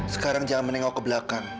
sekarang jangan menengok ke belakang